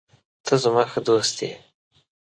ته زما ښه دوست یې.